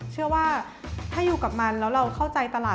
เชื่อว่าถ้าอยู่กับมันแล้วเราเข้าใจตลาด